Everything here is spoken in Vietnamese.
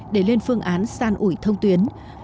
để lên phương án san ủi thông tuyến